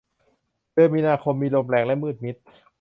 เดือนมีนาคม มีลมแรงและมืดมิด